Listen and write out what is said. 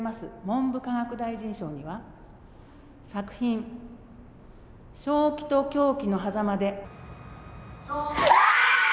文部科学大臣賞には作品「正気と狂気の狭間で」。